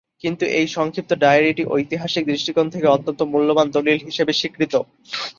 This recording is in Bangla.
কিন্তু এই সংক্ষিপ্ত ডায়েরিটি ঐতিহাসিক দৃষ্টিকোণ থেকে অত্যন্ত মূল্যবান দলিল হিসেবে স্বীকৃত।